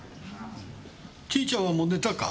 チーちゃんはもう寝たか？